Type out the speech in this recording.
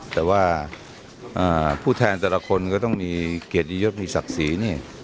แต่ว่าผู้แทนแต่ละคนก็ต้องมีเกียรติยศมีศักดิ์ศรีนี่